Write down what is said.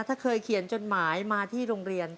ถ้าเคยเขียนจดหมายมาที่โรงเรียน